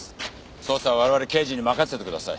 捜査は我々刑事に任せてください。